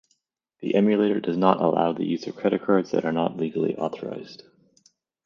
The emulator does not allow the use of credit cards that are not legally authorized.